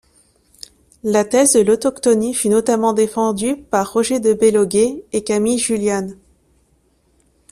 La thèse de l'autochtonie fut notamment défendue par Roget de Belloguet et Camille Jullian.